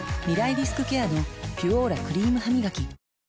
リスクケアの「ピュオーラ」クリームハミガキ